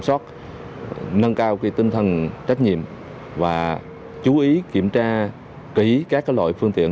xót nâng cao tinh thần trách nhiệm và chú ý kiểm tra kỹ các loại phương tiện